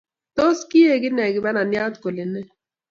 Tos kiek ine kibananiat kole nee